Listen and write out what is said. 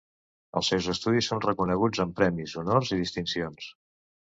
Els seus estudis són reconeguts amb premis, honors i distincions.